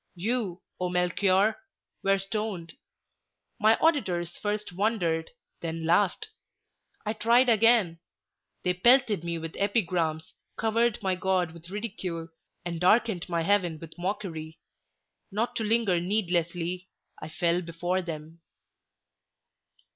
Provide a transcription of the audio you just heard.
You, O Melchior, were stoned; my auditors first wondered, then laughed. I tried again; they pelted me with epigrams, covered my God with ridicule, and darkened my Heaven with mockery. Not to linger needlessly, I fell before them."